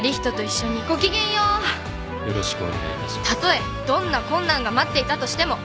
たとえどんな困難が待っていたとしても